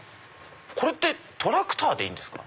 これってトラクターでいいんですか？